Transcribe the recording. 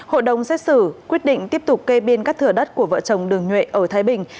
hội đồng xét xử quyết định tiếp tục kê biên các thửa đất của vợ chồng đường nhuệ ở thái bình